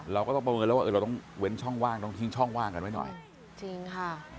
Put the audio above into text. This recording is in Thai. เราก็ต้องประเมินแล้วว่าเออเราต้องเว้นช่องว่างต้องทิ้งช่องว่างกันไว้หน่อยจริงค่ะ